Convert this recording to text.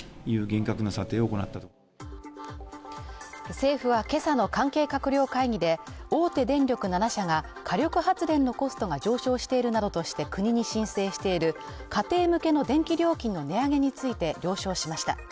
政府は今朝の関係閣僚会議で、大手電力７社が火力発電のコストが上昇しているなどとして国に申請している家庭向けの電気料金の値上げについて了承しました。